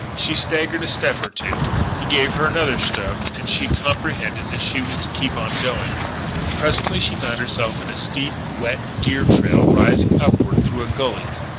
She staggered a step or two; he gave her another shove and she comprehended that she was to keep on going. Presently she found herself in a steep, wet deer trail rising upward through a gully.